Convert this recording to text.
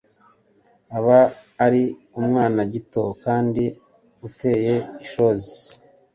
aba ari umwana gito kandi uteye ishozi